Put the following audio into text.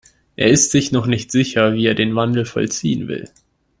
Er ist sich noch nicht sicher, wie er den Wandel vollziehen will.